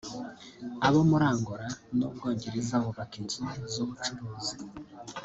abo muri Angola n’u Bwongereza bubaka inzu z’ubucuruzi